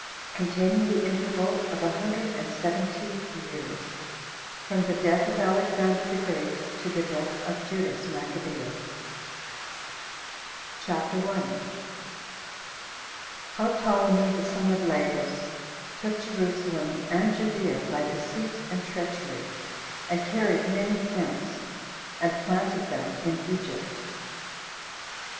Containing The Interval Of A Hundred And Seventy Years.From The Death Of Alexander The Great To The Death Of Judas Maccabeus. CHAPTER 1. How Ptolemy The Son Of Lagus Took Jerusalem And Judea By Deceit And Treachery, And Carried Many Thence, And Planted Them In Egypt.